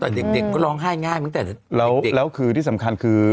แต่เด็กเด็กก็ร้องไห้ง่ายตั้งแต่แล้วแล้วคือที่สำคัญคือ